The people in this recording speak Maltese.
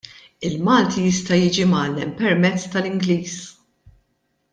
Il-Malti jista' jiġi mgħallem permezz tal-Ingliż.